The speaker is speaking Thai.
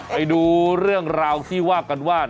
ไปดูเรื่องราวที่ว่ากันว่า